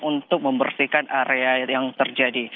untuk membersihkan area yang terjadi